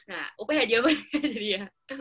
nah op aja apa sih